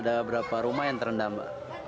ada berapa rumah yang terendam pak